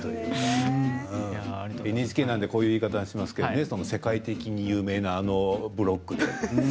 ＮＨＫなんでこういう言い方しますけど世界的に有名な、あのブロックで。